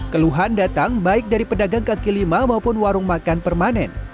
keluhan datang baik dari pedagang kaki lima maupun warung makan permanen